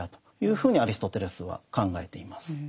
ふうにアリストテレスは考えています。